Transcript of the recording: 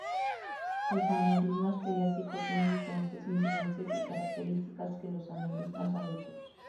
Los aneurismas pediátricos tienen diferentes incidencias y características que los aneurismas adultos.